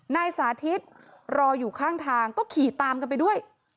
นายสาธิตรออยู่ข้างทางก็ขี่ตามกันไปด้วย